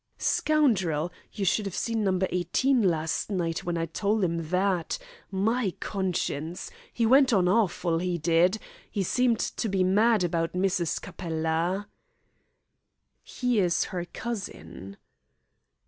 "Scoundrel! You should 'ave seen No. 18 last night when I tole 'im that. My conscience! 'E went on awful, 'e did. 'E seemed to be mad about Mrs. Capella." "He is her cousin."